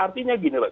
artinya gini mbak